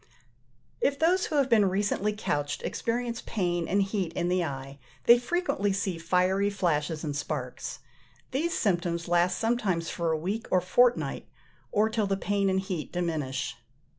If those who have been recently couched experience pain and heat in the eye, they frequently see fiery flashes and sparks: these symptoms last sometimes for a week or fortnight, or till the pain and heat diminish.